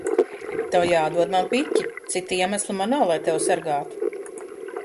Tev jāatdod man piķi. Cita iemesla man nav, lai tevi sargātu.